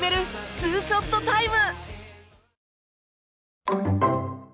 ２ショットタイム